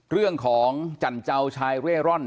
เรื่องของจันเจ้าชายเร่ร่อน